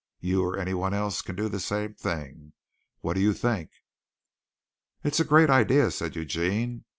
You or anyone else can do the same thing. What do you think?" "It's a great idea," said Eugene.